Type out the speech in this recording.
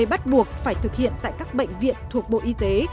bắt buộc phải thực hiện tại các bệnh viện thuộc bộ y tế